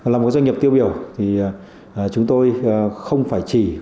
là một doanh nghiệp tiêu biểu thì chúng tôi không phải chỉ có trách nhiệm